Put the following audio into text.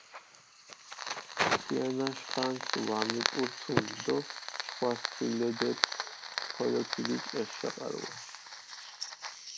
ქიანაშ ხანს ვამიკურთუმჷ დო შხვა სქილედეფქ ხოლო ქიდიჭყეს შაყარუა.